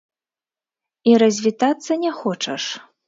І развітацца не хочаш?